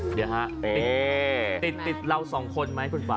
เดี๋ยวฮะติดเราสองคนไหมคุณป่า